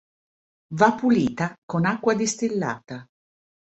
Va pulita con acqua distillata.